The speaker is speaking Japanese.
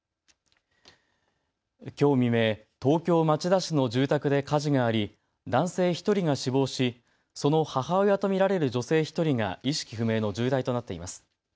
きょう未明、東京町田市の住宅で火事があり男性１人が死亡しその母親と見られる女性１人が意識不明の重体となっています。